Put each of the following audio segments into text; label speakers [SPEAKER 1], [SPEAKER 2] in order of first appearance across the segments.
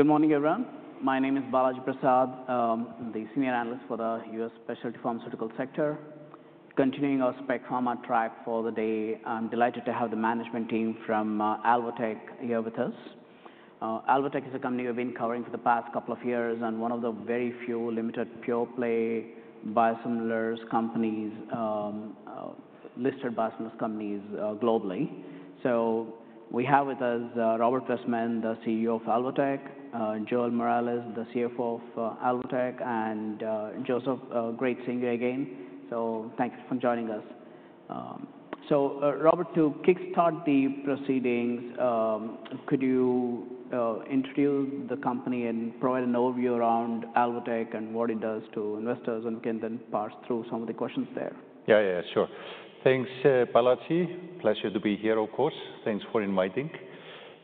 [SPEAKER 1] Good morning, everyone. My name is Balaji Prasad, the Senior Analyst for the US Specialty Pharmaceuticals sector. Continuing our Spec Pharma track for the day, I'm delighted to have the management team from Alvotech here with us. Alvotech is a company we've been covering for the past couple of years, and one of the very few limited pure-play biosimilars listed by some of these companies globally. We have with us Robert Wessman, the CEO of Alvotech; Joel Morales, the CFO of Alvotech; and Joseph, great seeing you again. Thanks for joining us. Robert, to kickstart the proceedings, could you introduce the company and provide an overview around Alvotech and what it does to investors, and we can then pass through some of the questions there?
[SPEAKER 2] Yeah, yeah, sure. Thanks, Balaji. Pleasure to be here, of course. Thanks for inviting.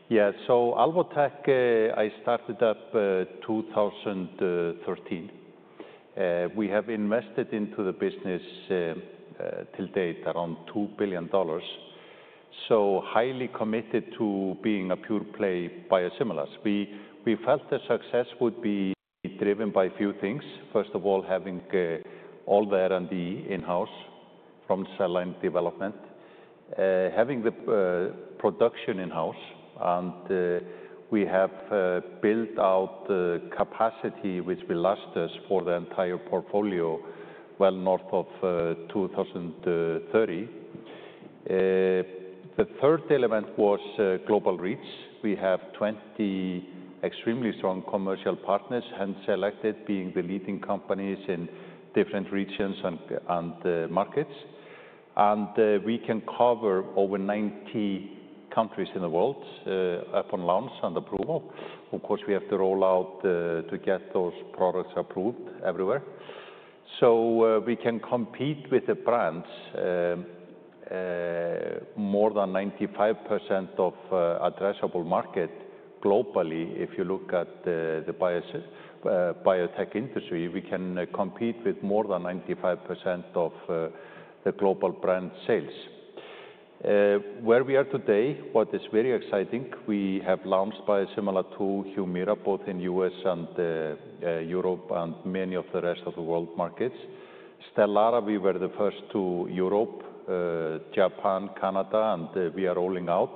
[SPEAKER 2] Yeah, so Alvotech, I started up in 2013. We have invested into the business till date around $2 billion, so highly committed to being a pure-play biosimilars. We felt the success would be driven by a few things. First of all, having all the R&D in-house from cell line development, having the production in-house, and we have built out the capacity which will last us for the entire portfolio well north of 2030. The third element was global reach. We have 20 extremely strong commercial partners hand-selected, being the leading companies in different regions and markets. We can cover over 90 countries in the world upon launch and approval. Of course, we have to roll out to get those products approved everywhere. We can compete with the brands in more than 95% of the addressable market globally. If you look at the biotech industry, we can compete with more than 95% of the global brand sales. Where we are today, what is very exciting, we have launched a biosimilar to Humira, both in the U.S. and Europe and many of the rest of the world markets. Stelara, we were the first to Europe, Japan, Canada, and we are rolling out.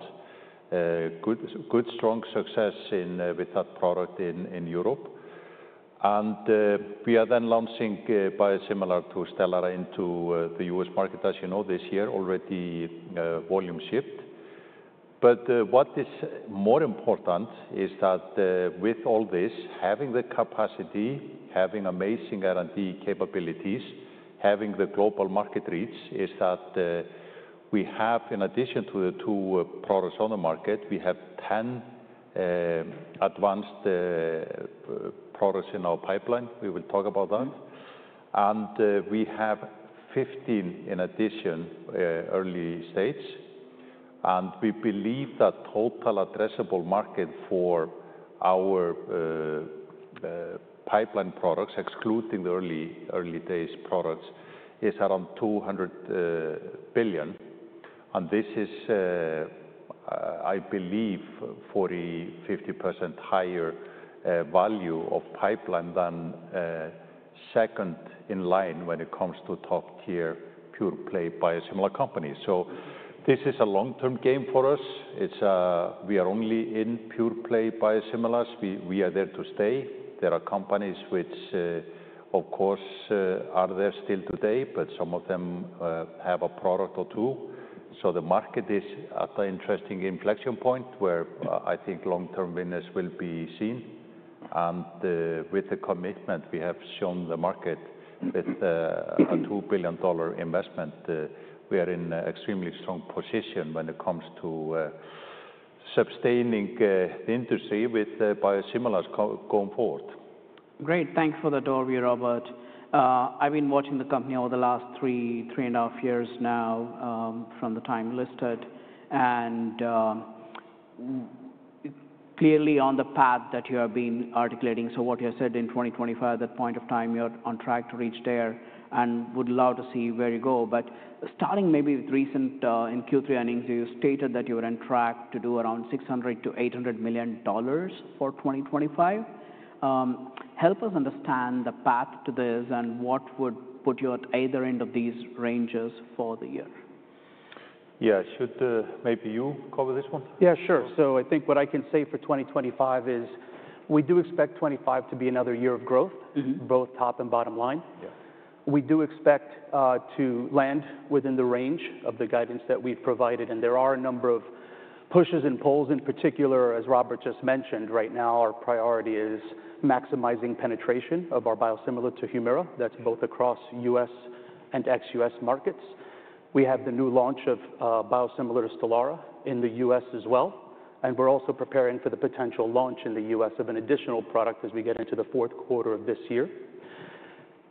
[SPEAKER 2] Good, strong success with that product in Europe. We are then launching a biosimilar to Stelara into the U.S. market, as you know, this year, already volume shipped. What is more important is that with all this, having the capacity, having amazing R&D capabilities, having the global market reach, we have, in addition to the two products on the market, 10 advanced products in our pipeline. We will talk about that. We have 15 in addition, early stage. We believe that total addressable market for our pipeline products, excluding the early days products, is around $200 billion. This is, I believe, 40%-50% higher value of pipeline than second in line when it comes to top-tier pure-play biosimilar companies. This is a long-term game for us. We are only in pure-play biosimilars. We are there to stay. There are companies which, of course, are there still today, but some of them have a product or two. The market is at an interesting inflection point where I think long-term winners will be seen. With the commitment we have shown the market with a $2 billion investment, we are in an extremely strong position when it comes to sustaining the industry with biosimilars going forward.
[SPEAKER 1] Great. Thanks for the overview, Róbert. I've been watching the company over the last three, three and a half years now from the time listed. Clearly on the path that you have been articulating. What you said in 2025, at that point of time, you're on track to reach there and would love to see where you go. Starting maybe with recent Q3 earnings, you stated that you were on track to do around $600-$800 million for 2025. Help us understand the path to this and what would put you at either end of these ranges for the year.
[SPEAKER 2] Yeah, should maybe you cover this one?
[SPEAKER 3] Yeah, sure. I think what I can say for 2025 is we do expect 2025 to be another year of growth, both top and bottom line. We do expect to land within the range of the guidance that we've provided. There are a number of pushes and pulls. In particular, as Róbert just mentioned, right now our priority is maximizing penetration of our biosimilar to Humira. That's both across U.S. and ex-U.S. markets. We have the new launch of biosimilar to Stelara in the U.S. as well. We're also preparing for the potential launch in the US of an additional product as we get into the fourth quarter of this year.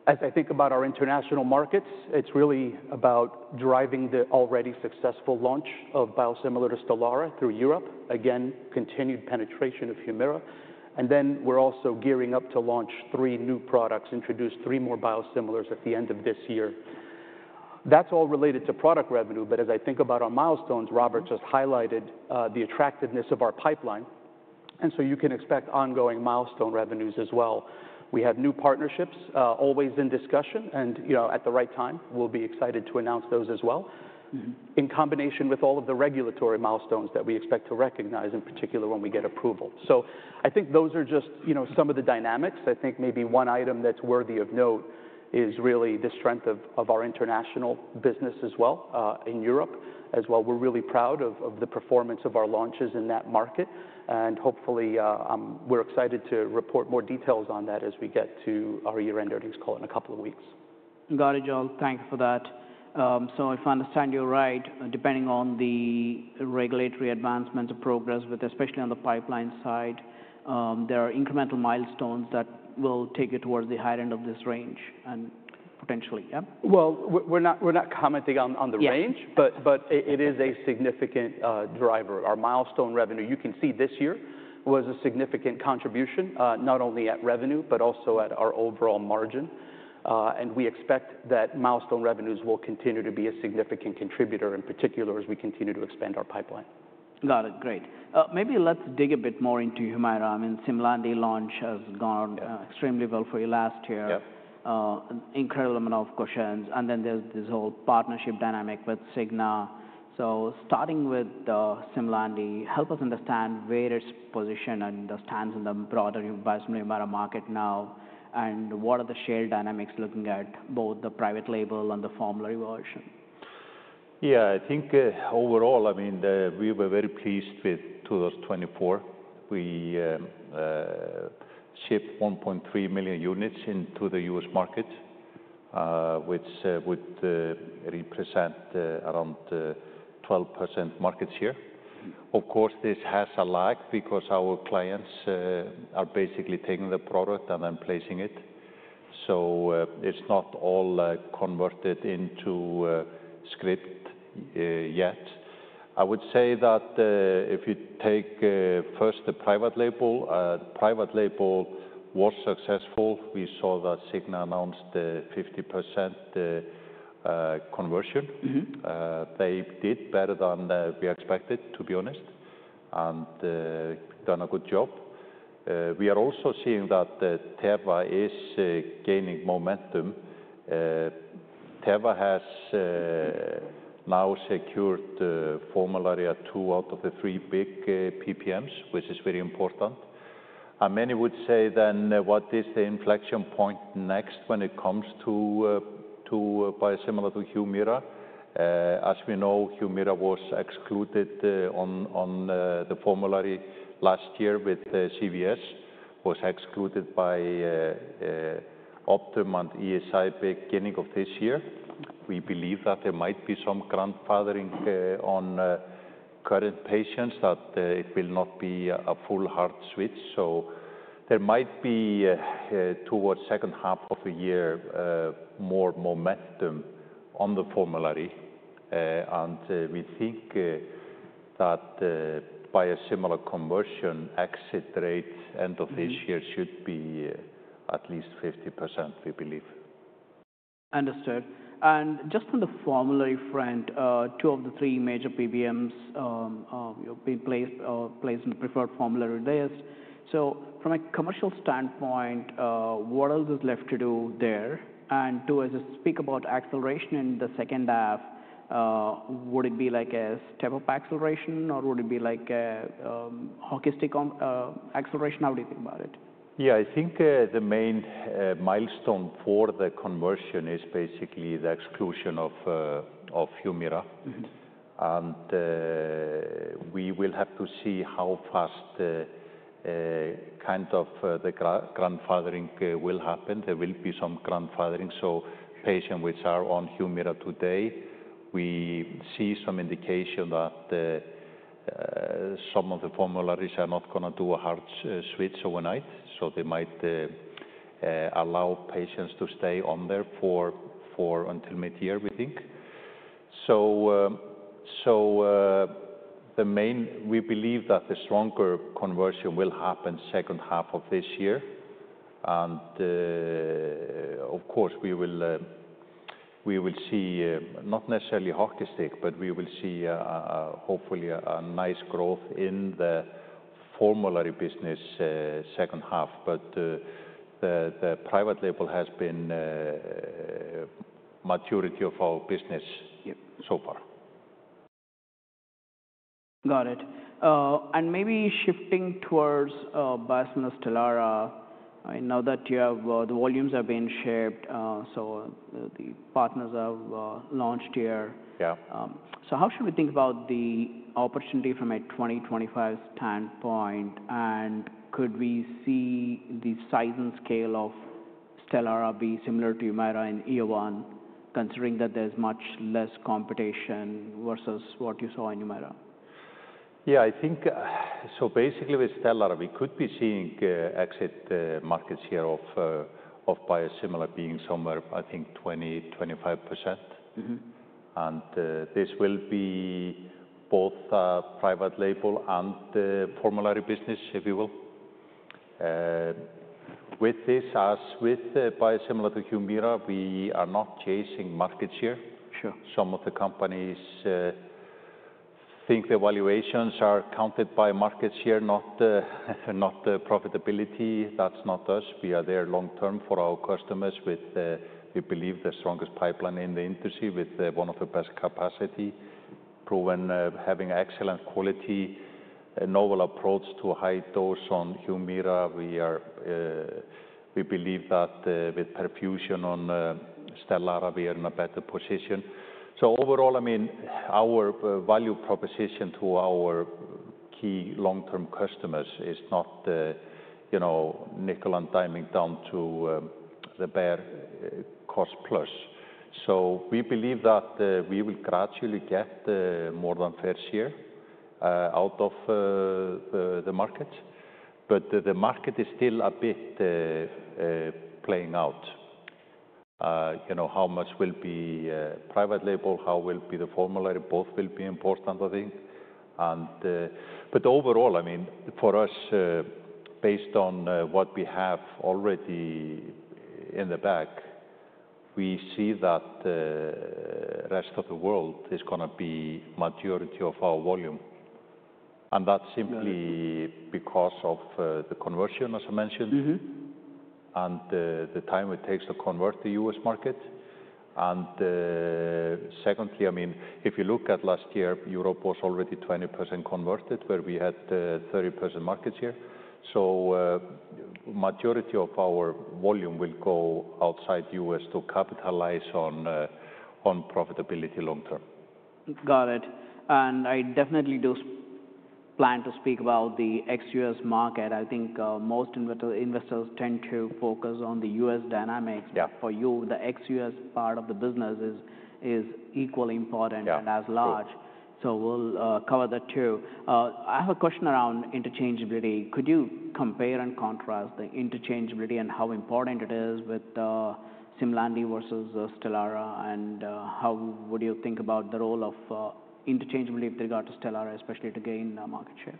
[SPEAKER 3] As I think about our international markets, it's really about driving the already successful launch of biosimilar to Stelara through Europe, again, continued penetration of Humira. We're also gearing up to launch three new products, introduce three more biosimilars at the end of this year. That's all related to product revenue. As I think about our milestones, Róbert just highlighted the attractiveness of our pipeline. You can expect ongoing milestone revenues as well. We have new partnerships always in discussion. At the right time, we'll be excited to announce those as well, in combination with all of the regulatory milestones that we expect to recognize, in particular when we get approval. I think those are just some of the dynamics. I think maybe one item that's worthy of note is really the strength of our international business as well in Europe. We're really proud of the performance of our launches in that market. Hopefully, we're excited to report more details on that as we get to our year-end earnings call in a couple of weeks.
[SPEAKER 1] Got it, Joel. Thank you for that. If I understand you right, depending on the regulatory advancements of progress, especially on the pipeline side, there are incremental milestones that will take you towards the higher end of this range and potentially, yeah?
[SPEAKER 3] We're not commenting on the range, but it is a significant driver. Our milestone revenue, you can see this year, was a significant contribution, not only at revenue, but also at our overall margin. We expect that milestone revenues will continue to be a significant contributor, in particular as we continue to expand our pipeline.
[SPEAKER 1] Got it. Great. Maybe let's dig a bit more into Humira. I mean, Simlandi launch has gone extremely well for you last year. Incredible amount of questions. There is this whole partnership dynamic with Cigna. Starting with Simlandi, help us understand where its position and stands in the broader biosimilar market now. What are the share dynamics looking at both the private label and the formulary version?
[SPEAKER 2] Yeah, I think overall, I mean, we were very pleased with 2024. We shipped 1.3 million units into the US market, which would represent around 12% market share. Of course, this has a lag because our clients are basically taking the product and then placing it. So it's not all converted into script yet. I would say that if you take first the private label, private label was successful. We saw that Cigna announced 50% conversion. They did better than we expected, to be honest, and done a good job. We are also seeing that Teva is gaining momentum. Teva has now secured formulary at two out of the three big PBMs, which is very important. Many would say then what is the inflection point next when it comes to biosimilar to Humira? As we know, Humira was excluded on the formulary last year with CVS, was excluded by Optum and ESI beginning of this year. We believe that there might be some grandfathering on current patients, that it will not be a full hard switch. There might be towards the second half of the year more momentum on the formulary. We think that biosimilar conversion exit rate end of this year should be at least 50%, we believe.
[SPEAKER 1] Understood. Just on the formulary front, two of the three major PBMs have been placed in the preferred formulary list. From a commercial standpoint, what else is left to do there? To speak about acceleration in the second half, would it be like a step-up acceleration, or would it be like a hockey stick acceleration? How do you think about it?
[SPEAKER 2] Yeah, I think the main milestone for the conversion is basically the exclusion of Humira. We will have to see how fast kind of the grandfathering will happen. There will be some grandfathering. Patients which are on Humira today, we see some indication that some of the formularies are not going to do a hard switch overnight. They might allow patients to stay on there until mid-year, we think. We believe that the stronger conversion will happen second half of this year. Of course, we will see not necessarily hockey stick, but we will see hopefully a nice growth in the formulary business second half. The private label has been the majority of our business so far.
[SPEAKER 1] Got it. Maybe shifting towards biosimilar Stelara, now that the volumes have been shipped, the partners have launched here. How should we think about the opportunity from a 2025 standpoint? Could we see the size and scale of Stelara be similar to Humira in year one, considering that there is much less competition versus what you saw in Humira?
[SPEAKER 2] Yeah, I think so basically with Stelara, we could be seeing exit markets share of biosimilar being somewhere, I think, 20%-25%. And this will be both private label and formulary business, if you will. With this, as with biosimilar to Humira, we are not chasing markets share. Some of the companies think the valuations are counted by markets share, not profitability. That's not us. We are there long-term for our customers with, we believe, the strongest pipeline in the industry with one of the best capacity, proven having excellent quality, a novel approach to high dose on Humira. We believe that with perfusion on Stelara, we are in a better position. I mean, our value proposition to our key long-term customers is not nickel and diming down to the bare cost plus. We believe that we will gradually get more than fair share out of the market. The market is still a bit playing out. How much will be private label, how will be the formulary, both will be important, I think. Overall, I mean, for us, based on what we have already in the back, we see that the rest of the world is going to be the majority of our volume. That is simply because of the conversion, as I mentioned, and the time it takes to convert the U.S. market. Secondly, I mean, if you look at last year, Europe was already 20% converted, where we had 30% market share. The majority of our volume will go outside the U.S. to capitalize on profitability long-term.
[SPEAKER 1] Got it. I definitely do plan to speak about the ex-U.S. market. I think most investors tend to focus on the U.S. dynamics. For you, the ex-U.S. part of the business is equally important and as large. We will cover that too. I have a question around interchangeability. Could you compare and contrast the interchangeability and how important it is with Simlandi versus Stelara? How would you think about the role of interchangeability with regard to Stelara, especially to gain market share?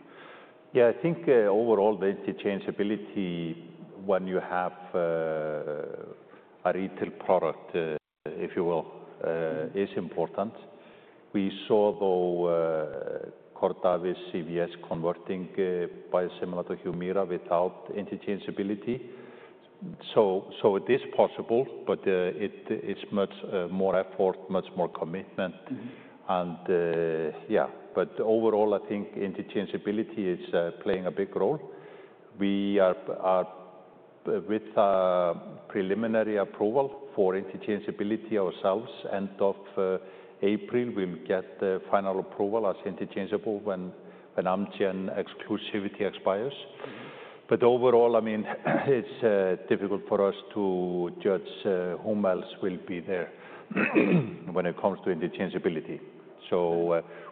[SPEAKER 2] Yeah, I think overall the interchangeability, when you have a retail product, if you will, is important. We saw, though, Cordavis CVS converting biosimilar to Humira without interchangeability. It is possible, but it is much more effort, much more commitment. Yeah, overall, I think interchangeability is playing a big role. We are, with preliminary approval for interchangeability ourselves, end of April, we will get the final approval as interchangeable when Amgen exclusivity expires. Overall, I mean, it is difficult for us to judge whom else will be there when it comes to interchangeability.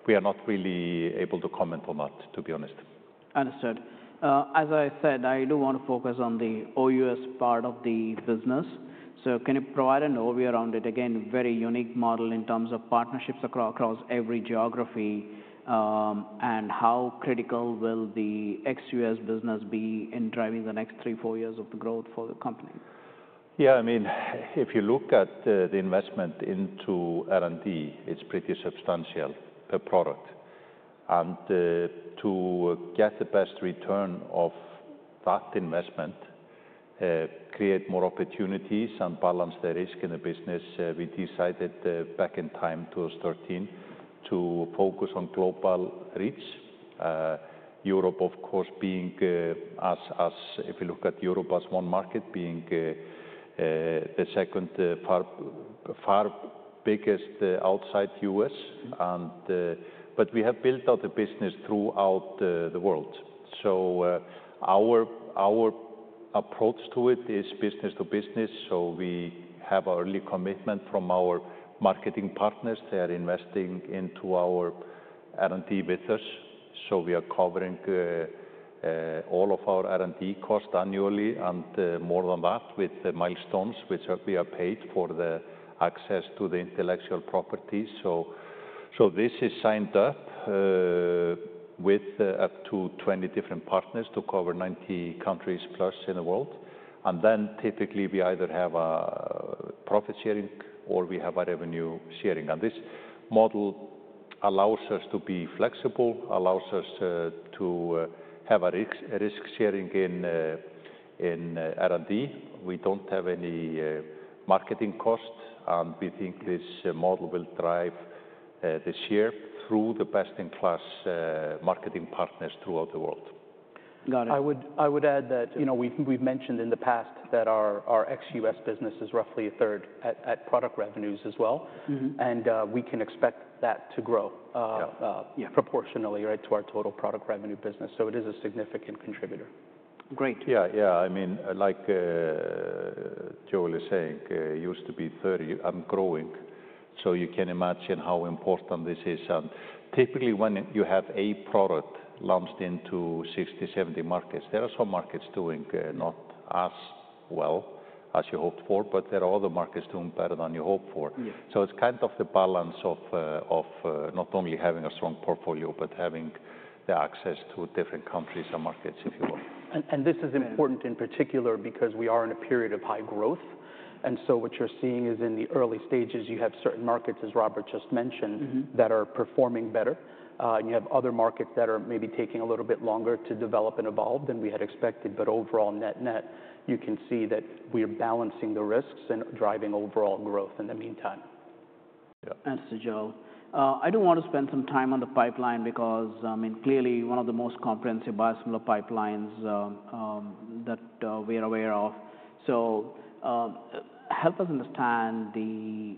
[SPEAKER 2] We are not really able to comment on that, to be honest.
[SPEAKER 1] Understood. As I said, I do want to focus on the OUS part of the business. Can you provide an overview around it again? Very unique model in terms of partnerships across every geography. How critical will the ex-US business be in driving the next three, four years of the growth for the company?
[SPEAKER 2] Yeah, I mean, if you look at the investment into R&D, it's pretty substantial per product. To get the best return of that investment, create more opportunities and balance the risk in the business, we decided back in 2013 to focus on global reach. Europe, of course, being us, if you look at Europe as one market, being the second far biggest outside the U.S. We have built out the business throughout the world. Our approach to it is business to business. We have our early commitment from our marketing partners. They are investing into our R&D with us. We are covering all of our R&D costs annually and more than that with the milestones which we are paid for the access to the intellectual properties. This is signed up with up to 20 different partners to cover 90 countries plus in the world. Typically we either have a profit sharing or we have a revenue sharing. This model allows us to be flexible, allows us to have a risk sharing in R&D. We do not have any marketing cost. We think this model will drive this year through the best-in-class marketing partners throughout the world.
[SPEAKER 1] Got it.
[SPEAKER 3] I would add that we've mentioned in the past that our ex-U.S. business is roughly a third at product revenues as well. We can expect that to grow proportionally to our total product revenue business. It is a significant contributor.
[SPEAKER 1] Great.
[SPEAKER 2] Yeah, yeah. I mean, like Joel is saying, it used to be 30 and growing. You can imagine how important this is. Typically when you have a product launched into 60-70 markets, there are some markets doing not as well as you hoped for, but there are other markets doing better than you hoped for. It is kind of the balance of not only having a strong portfolio, but having the access to different countries and markets, if you will.
[SPEAKER 3] This is important in particular because we are in a period of high growth. What you are seeing is in the early stages, you have certain markets, as Robert just mentioned, that are performing better. You have other markets that are maybe taking a little bit longer to develop and evolve than we had expected. Overall, net net, you can see that we are balancing the risks and driving overall growth in the meantime.
[SPEAKER 1] Understood, Joel. I do want to spend some time on the pipeline because, I mean, clearly one of the most comprehensive biosimilar pipelines that we're aware of. Help us understand the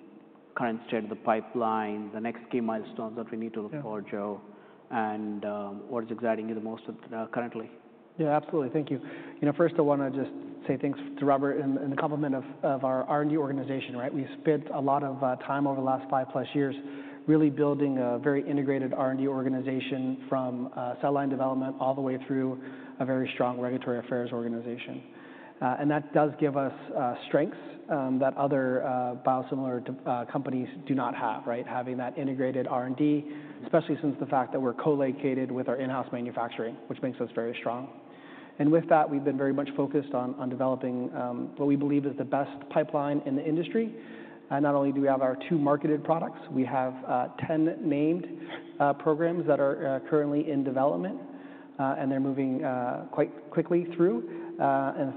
[SPEAKER 1] current state of the pipeline, the next key milestones that we need to look for, Joel, and what is exciting you the most currently.
[SPEAKER 3] Yeah, absolutely. Thank you. First, I want to just say thanks to Róbert and the compliment of our R&D organization. We've spent a lot of time over the last five plus years really building a very integrated R&D organization from cell line development all the way through a very strong regulatory affairs organization. That does give us strengths that other biosimilar companies do not have, having that integrated R&D, especially since the fact that we're co-located with our in-house manufacturing, which makes us very strong. With that, we've been very much focused on developing what we believe is the best pipeline in the industry. Not only do we have our two marketed products, we have 10 named programs that are currently in development, and they're moving quite quickly through.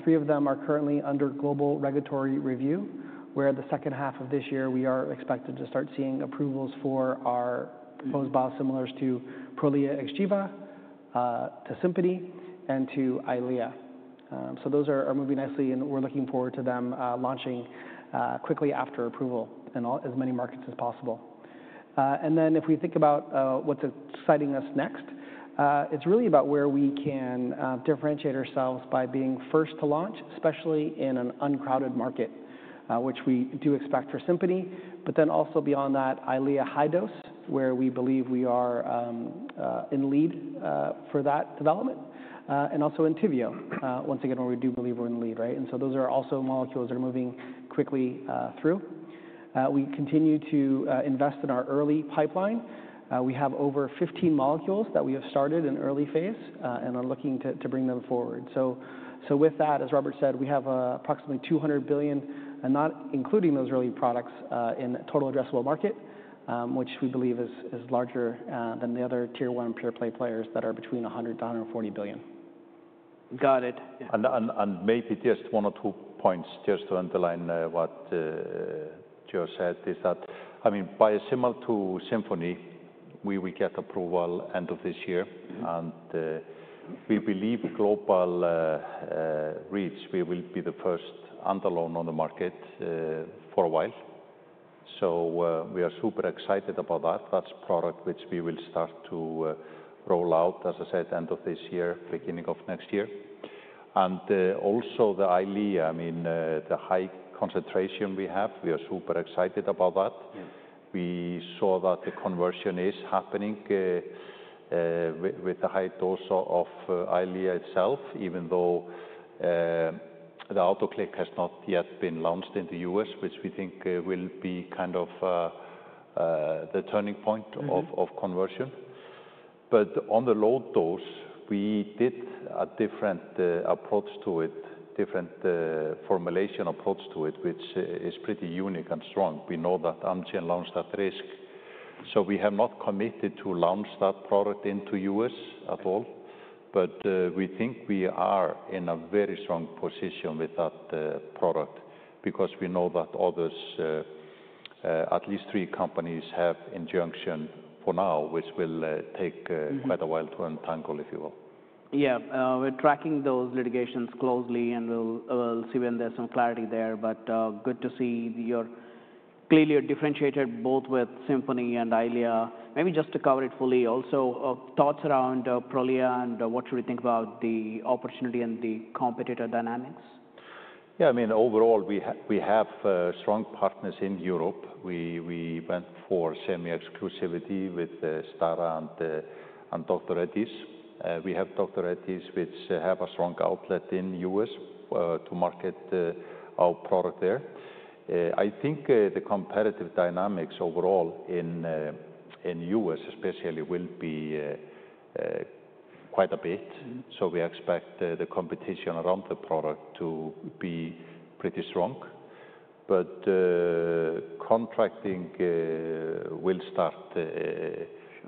[SPEAKER 3] Three of them are currently under global regulatory review, where the second half of this year we are expected to start seeing approvals for our proposed biosimilars to Prolia, Xgeva, to Simponi, and to Eylea. Those are moving nicely, and we are looking forward to them launching quickly after approval in as many markets as possible. If we think about what is exciting us next, it is really about where we can differentiate ourselves by being first to launch, especially in an uncrowded market, which we do expect for Simponi, but also beyond that, Eylea high dose, where we believe we are in lead for that development. Also Entyvio, once again, where we do believe we are in lead. Those are also molecules that are moving quickly through. We continue to invest in our early pipeline. We have over 15 molecules that we have started in early phase and are looking to bring them forward. With that, as Robert said, we have approximately $200 billion, not including those early products, in total addressable market, which we believe is larger than the other tier one pure-play players that are between $100 billion-$140 billion.
[SPEAKER 1] Got it.
[SPEAKER 2] Maybe just one or two points just to underline what Joel said is that, I mean, biosimilar to Simponi, we will get approval end of this year. We believe global reach, we will be the first on the market for a while. We are super excited about that. That's a product which we will start to roll out, as I said, end of this year, beginning of next year. Also the Eylea, I mean, the high concentration we have, we are super excited about that. We saw that the conversion is happening with the high dose of Eylea itself, even though Alvotech has not yet been launched in the US, which we think will be kind of the turning point of conversion. On the low dose, we did a different approach to it, different formulation approach to it, which is pretty unique and strong. We know that Amgen launched at risk. We have not committed to launch that product into the U.S. at all. We think we are in a very strong position with that product because we know that others, at least three companies, have injunction for now, which will take quite a while to untangle, if you will.
[SPEAKER 1] Yeah, we're tracking those litigations closely, and we'll see when there's some clarity there. Good to see you're clearly differentiated both with Simlandi and Eylea. Maybe just to cover it fully, also thoughts around Prolia and what should we think about the opportunity and the competitor dynamics?
[SPEAKER 2] Yeah, I mean, overall, we have strong partners in Europe. We went for semi-exclusivity with Stelara and Dr. Reddy's. We have Dr. Reddy's, which have a strong outlet in the US to market our product there. I think the competitive dynamics overall in the U.S., especially, will be quite a bit. We expect the competition around the product to be pretty strong. Contracting will start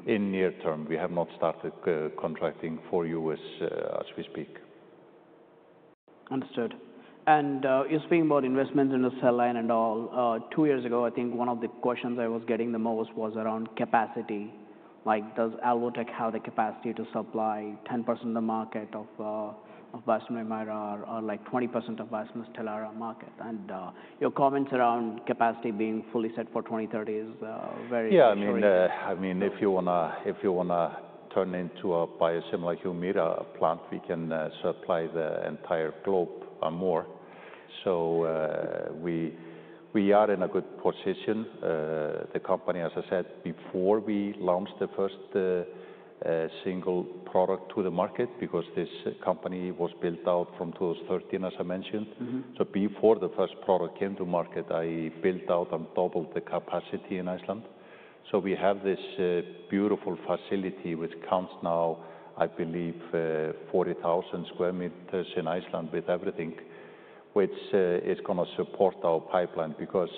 [SPEAKER 2] in near term. We have not started contracting for U.S. as we speak.
[SPEAKER 1] Understood. You are speaking about investment in the cell line and all. Two years ago, I think one of the questions I was getting the most was around capacity. Does Alvotech have the capacity to supply 10% of the market of biosimilar Humira or like 20% of biosimilar Stelara market? Your comments around capacity being fully set for 2030 are very interesting.
[SPEAKER 2] Yeah, I mean, if you want to turn into a biosimilar Humira plant, we can supply the entire globe more. We are in a good position. The company, as I said, before we launched the first single product to the market, because this company was built out from 2013, as I mentioned. Before the first product came to market, I built out and doubled the capacity in Iceland. We have this beautiful facility which counts now, I believe, 40,000 square meters in Iceland with everything, which is going to support our pipeline because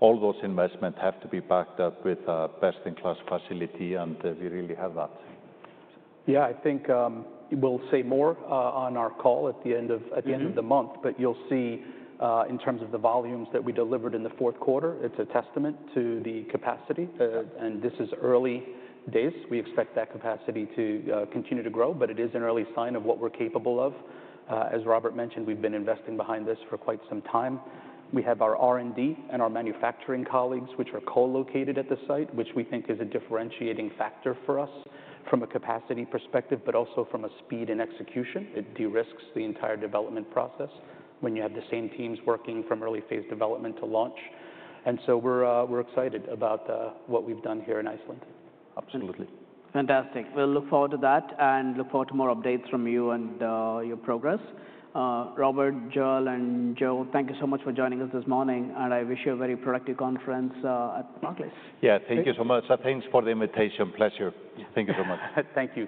[SPEAKER 2] all those investments have to be backed up with a best-in-class facility. We really have that.
[SPEAKER 3] Yeah, I think we'll say more on our call at the end of the month. You'll see in terms of the volumes that we delivered in the fourth quarter, it's a testament to the capacity. This is early days. We expect that capacity to continue to grow. It is an early sign of what we're capable of. As Róbert mentioned, we've been investing behind this for quite some time. We have our R&D and our manufacturing colleagues, which are co-located at the site, which we think is a differentiating factor for us from a capacity perspective, but also from a speed and execution. It de risks the entire development process when you have the same teams working from early phase development to launch. We're excited about what we've done here in Iceland.
[SPEAKER 2] Absolutely.
[SPEAKER 1] Fantastic. We'll look forward to that and look forward to more updates from you and your progress. Róbert, Joel, and Joseph, thank you so much for joining us this morning. I wish you a very productive conference at.
[SPEAKER 2] Yeah, thank you so much. Thanks for the invitation. Pleasure. Thank you so much.
[SPEAKER 1] Thank you.